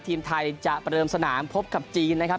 ทีมไทยจะประเดิมสนามพบกับจีนนะครับ